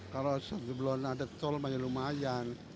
kalau sebelum ada tol masih lumayan